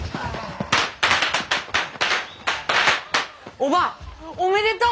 おばぁおめでとう！